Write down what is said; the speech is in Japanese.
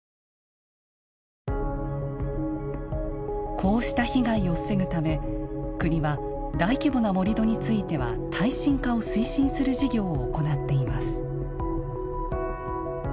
こうした被害を防ぐため国は大規模な盛土については耐震化を推進する事業を行っています。